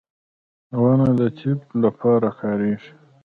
• ونه د طب لپاره کارېږي.